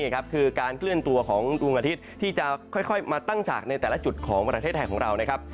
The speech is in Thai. คือการเคลื่อนตัวของดวงอาทิตย์ที่จะค่อยมาตั้งฉากในแต่ละจุดของประเทศไทยของเรานะครับ